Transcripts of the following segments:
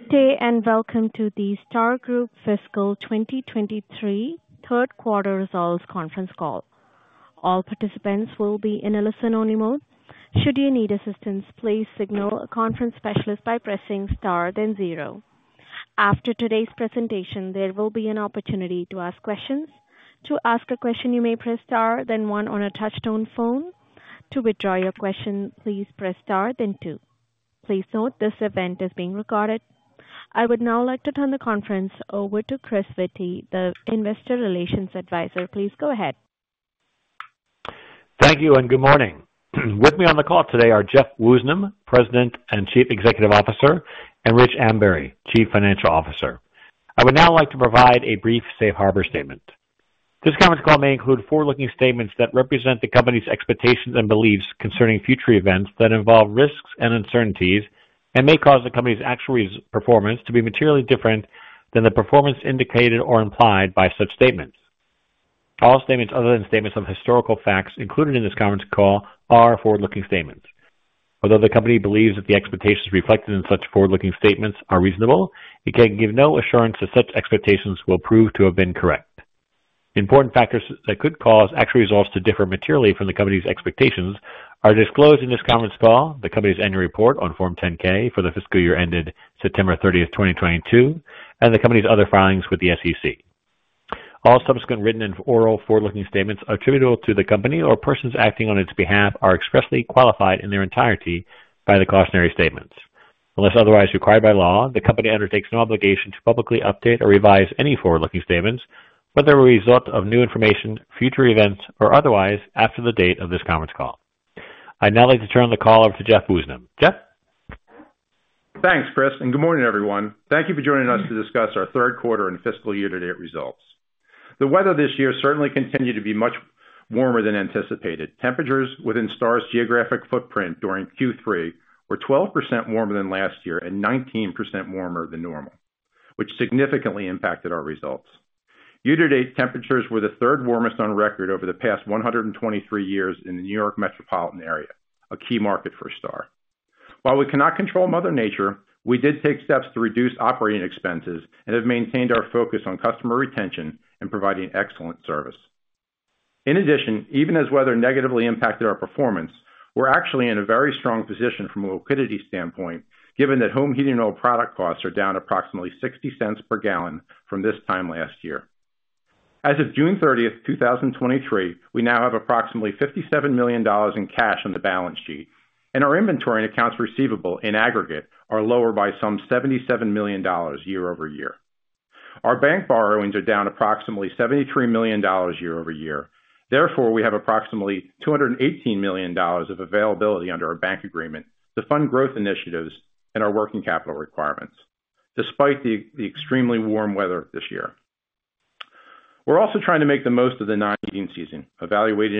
Good day, and welcome to the Star Group Fiscal 2023 Third Quarter Results Conference Call. All participants will be in a listen-only mode. Should you need assistance, please signal a conference specialist by pressing star, then zero. After today's presentation, there will be an opportunity to ask questions. To ask a question, you may press star, then one on a touchtone phone. To withdraw your question, please press star, then two. Please note, this event is being recorded. I would now like to turn the conference over to Chris Witty, the investor relations advisor. Please go ahead. Thank you and good morning. With me on the call today are Jeff Woosnam, President and Chief Executive Officer, and Rich Ambury, Chief Financial Officer. I would now like to provide a brief safe harbor statement. This conference call may include forward-looking statements that represent the company's expectations and beliefs concerning future events that involve risks and uncertainties and may cause the company's actual performance to be materially different than the performance indicated or implied by such statements. All statements other than statements of historical facts included in this conference call are forward-looking statements. Although the company believes that the expectations reflected in such forward-looking statements are reasonable, it can give no assurance that such expectations will prove to have been correct. Important factors that could cause actual results to differ materially from the company's expectations are disclosed in this conference call, the company's annual report on Form 10-K for the fiscal year ended September 30th, 2022, and the company's other filings with the SEC. All subsequent written and oral forward-looking statements attributable to the company or persons acting on its behalf are expressly qualified in their entirety by the cautionary statements. Unless otherwise required by law, the company undertakes no obligation to publicly update or revise any forward-looking statements, whether a result of new information, future events, or otherwise, after the date of this conference call. I'd now like to turn the call over to Jeff Woosnam. Jeff? Thanks, Chris. Good morning, everyone. Thank you for joining us to discuss our third quarter and fiscal year-to-date results. The weather this year certainly continued to be much warmer than anticipated. Temperatures within Star's geographic footprint during Q3 were 12% warmer than last year and 19% warmer than normal, which significantly impacted our results. Year-to-date, temperatures were the third warmest on record over the past 123 years in the New York metropolitan area, a key market for Star. While we cannot control mother nature, we did take steps to reduce operating expenses and have maintained our focus on customer retention and providing excellent service. Even as weather negatively impacted our performance, we're actually in a very strong position from a liquidity standpoint, given that home heating oil product costs are down approximately $0.60 per gallon from this time last year. As of June 30th, 2023, we now have approximately $57 million in cash on the balance sheet, and our inventory and accounts receivable, in aggregate, are lower by some $77 million year-over-year. Our bank borrowings are down approximately $73 million year-over-year. Therefore, we have approximately $218 million of availability under our bank agreement to fund growth initiatives and our working capital requirements, despite the extremely warm weather this year. We're also trying to make the most of the non-heating season, evaluating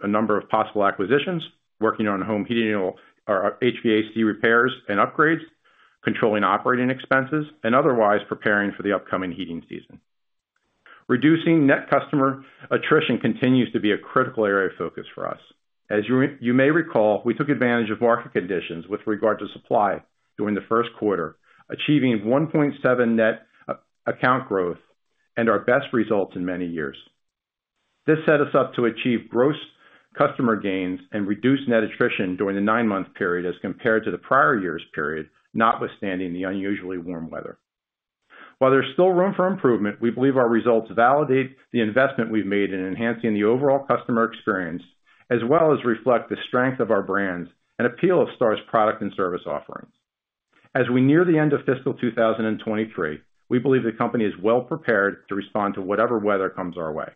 a number of possible acquisitions, working on home heating oil or HVAC repairs and upgrades, controlling operating expenses, and otherwise preparing for the upcoming heating season. Reducing net customer attrition continues to be a critical area of focus for us. As you, you may recall, we took advantage of market conditions with regard to supply during the first quarter, achieving 1.7 net account growth and our best results in many years. This set us up to achieve gross customer gains and reduce net attrition during the nine-month period as compared to the prior year's period, notwithstanding the unusually warm weather. While there's still room for improvement, we believe our results validate the investment we've made in enhancing the overall customer experience, as well as reflect the strength of our brands and appeal of Star's product and service offerings. As we near the end of fiscal 2023, we believe the company is well prepared to respond to whatever weather comes our way.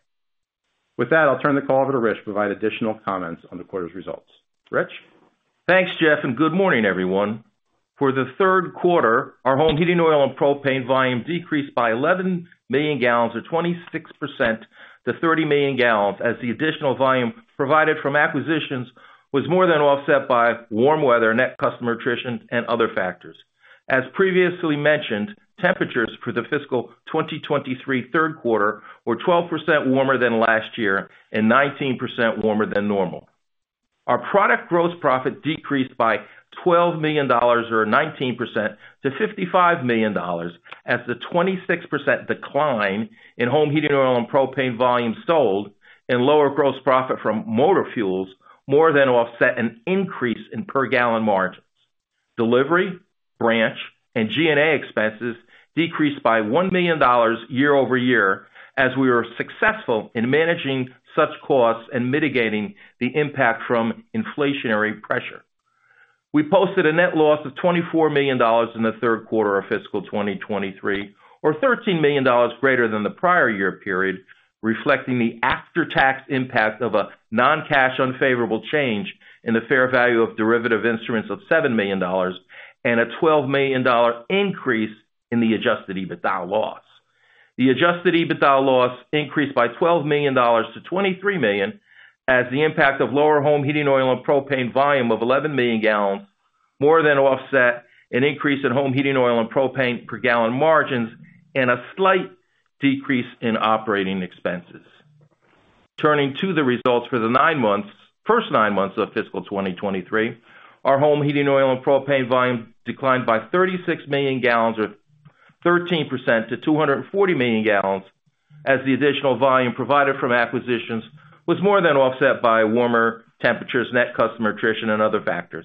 With that, I'll turn the call over to Rich to provide additional comments on the quarter's results. Rich? Thanks, Jeff. Good morning, everyone. For the third quarter, our home heating oil and propane volume decreased by 11 million gallons, or 26% to 30 million gallons, as the additional volume provided from acquisitions was more than offset by warm weather, net customer attrition, and other factors. As previously mentioned, temperatures for the fiscal 2023 third quarter were 12% warmer than last year and 19% warmer than normal. Our product gross profit decreased by $12 million, or 19% to $55 million, as the 26% decline in home heating oil and propane volume sold and lower gross profit from motor fuels more than offset an increase in per gallon margins. Delivery, branch, and G&A expenses decreased by $1 million year-over-year, as we were successful in managing such costs and mitigating the impact from inflationary pressure. We posted a net loss of $24 million in the third quarter of fiscal 2023, or $13 million greater than the prior year period, reflecting the after-tax impact of a non-cash unfavorable change in the fair value of derivative instruments of $7 million, and a $12 million increase in the Adjusted EBITDA loss. The Adjusted EBITDA loss increased by $12 million to $23 million, as the impact of lower home heating oil and propane volume of 11 million gallons, more than offset an increase in home heating oil and propane per gallon margins and a slight decrease in operating expenses. Turning to the results for the nine months, first nine months of fiscal 2023, our home heating oil and propane volume declined by 36 million gallons, or 13% to 240 million gallons, as the additional volume provided from acquisitions was more than offset by warmer temperatures, net customer attrition, and other factors.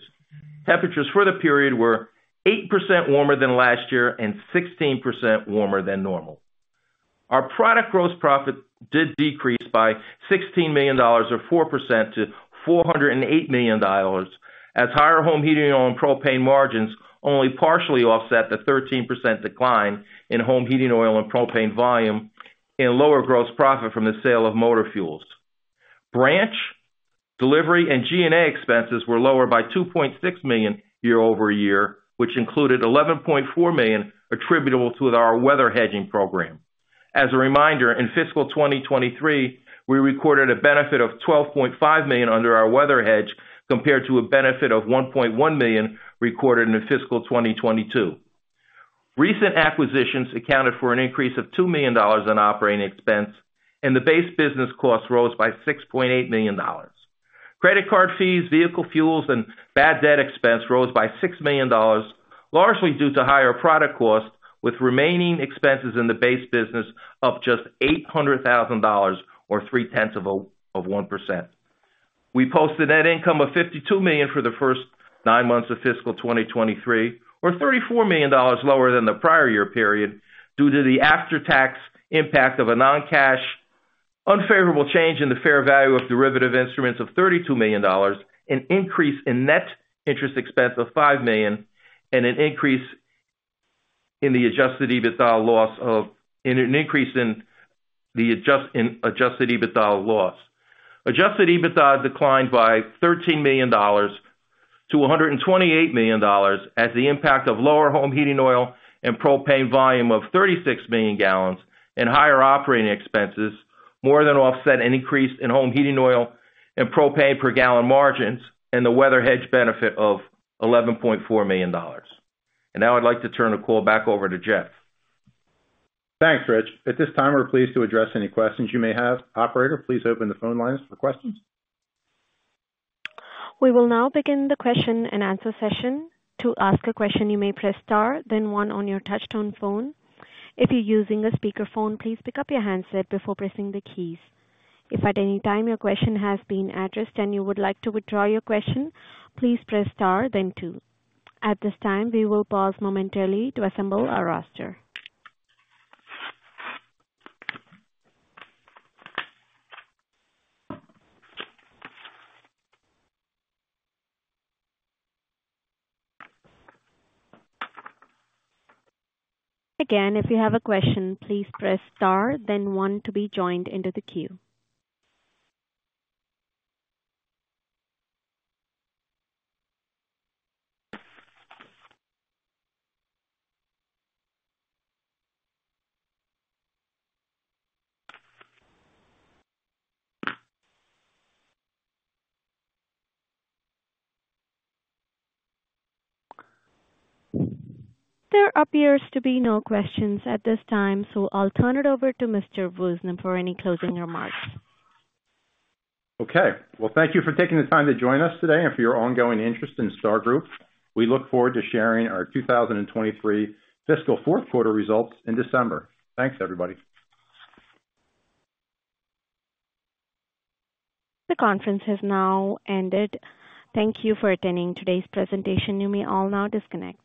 Temperatures for the period were 8% warmer than last year and 16% warmer than normal. Our product gross profit did decrease by $16 million, or 4% to $408 million, as higher home heating oil and propane margins only partially offset the 13% decline in home heating oil and propane volume and lower gross profit from the sale of motor fuels. Branch, delivery, and G&A expenses were lower by $2.6 million year-over-year, which included $11.4 million attributable to our weather hedging program. As a reminder, in fiscal 2023, we recorded a benefit of $12.5 million under our weather hedge, compared to a benefit of $1.1 million recorded in fiscal 2022. Recent acquisitions accounted for an increase of $2 million in operating expense. The base business cost rose by $6.8 million. Credit card fees, vehicle fuels, and bad debt expense rose by $6 million, largely due to higher product costs, with remaining expenses in the base business of just $800,000, or 3/10 of 1%. We posted net income of $52 million for the first nine months of fiscal 2023, or $34 million lower than the prior year period due to the after-tax impact of a non-cash unfavorable change in the fair value of derivative instruments of $32 million, an increase in net interest expense of $5 million, and an increase in the Adjusted EBITDA loss. Adjusted EBITDA declined by $13 million to $128 million, as the impact of lower home heating oil and propane volume of 36 million gallons and higher operating expenses more than offset an increase in home heating oil and propane per gallon margins and the weather hedge benefit of $11.4 million. Now I'd like to turn the call back over to Jeff. Thanks, Rich. At this time, we're pleased to address any questions you may have. Operator, please open the phone lines for questions. We will now begin the question and answer session. To ask a question, you may press star then one on your touch-tone phone. If you're using a speakerphone, please pick up your handset before pressing the keys. If at any time your question has been addressed and you would like to withdraw your question, please press star then two. At this time, we will pause momentarily to assemble our roster. Again, if you have a question, please press star then one to be joined into the queue. There appears to be no questions at this time, so I'll turn it over to Mr. Woosnam for any closing remarks. Okay, well, thank you for taking the time to join us today and for your ongoing interest in Star Group. We look forward to sharing our 2023 fiscal fourth quarter results in December. Thanks, everybody. The conference has now ended. Thank you for attending today's presentation. You may all now disconnect.